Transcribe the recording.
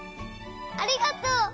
ありがとう！